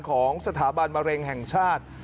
ของสถาบันมะเร็งแห่งชาติ